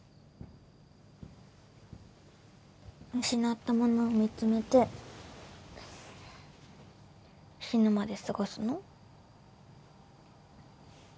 失ったものを見つめて死ぬまで過ごすの？